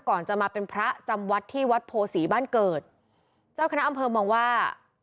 ก่อนจะมาเป็นพระจำวัดที่วัดโพศีบ้านเกิดเจ้าคณะอำเภอมองว่า